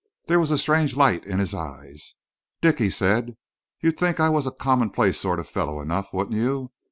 There was a strange light in his eyes. "Dick," he said, "you'd think I was a commonplace sort of fellow enough, wouldn't you?